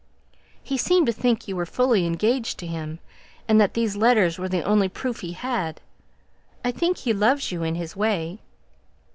"He seemed to think you were fully engaged to him, and that these letters were the only proof he had. I think he loves you in his way."